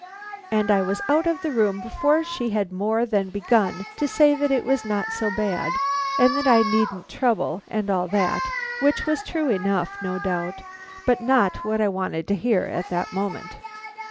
And I was out of the room before she had more than begun to say that it was not so bad, and that I needn't trouble, and all that, which was true enough, no doubt, but not what I wanted to hear at that moment.